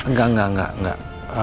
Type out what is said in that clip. enggak enggak enggak